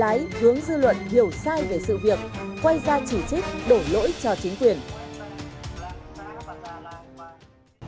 quay ra chỉ trích đổ lỗi cho chính quyền